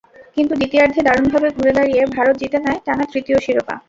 কিন্তু দ্বিতীয়ার্ধে দারুণভাবে ঘুরে দাঁড়িয়ে ভারত জিতে নেয় টানা তৃতীয় শিরোপা।